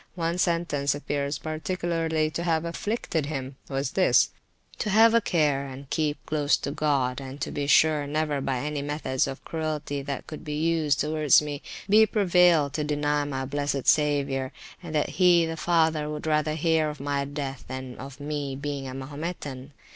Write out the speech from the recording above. One sentence appears particularly to have afflicted him: it was this, to have a care and keep close to God, and to be sure never, by any methods of cruelty that could be used towards me, be prevailed to deny my blessed Saviour, and that he (the father) would rather hear of my death than of my being a Mahometan.